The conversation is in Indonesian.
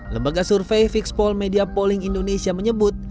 lembaga survei fixpol media polling indonesia menyebut